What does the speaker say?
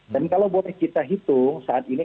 dan kalau boleh kita hitung saat ini